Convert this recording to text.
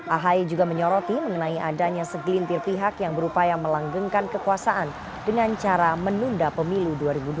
ahy juga menyoroti mengenai adanya segelintir pihak yang berupaya melanggengkan kekuasaan dengan cara menunda pemilu dua ribu dua puluh